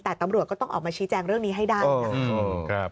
แต่ตำรวจก็ต้องออกมาชี้แจงเรื่องนี้ให้ได้นะคะ